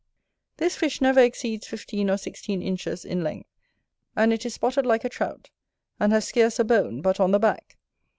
This fish never exceeds fifteen or sixteen inches in length; and is spotted like a Trout: and has scarce a bone, but on the back.